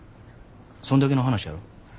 そんだけの話やろ。